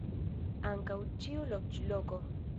Ankaŭ ĉiu loĝloko.